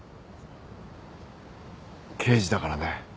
刑事だからね。